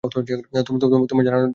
তোমায় জানানোর জন্য তর সইছিল না!